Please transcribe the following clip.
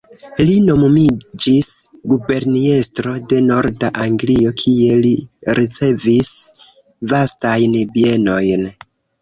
Li nomumiĝis guberniestro de norda Anglio, kie li ricevis vastajn bienojn.